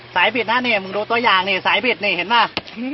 สายบิดนะเนี้ยมึงดูตัวอย่างเนี้ยสายบิดเนี้ยเห็นป่ะนะ